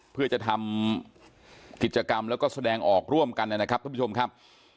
เพื่อจะทำกิจกรรมแล้วก็แสดงออกร่วมกันนะครับทุกผู้ชมครับ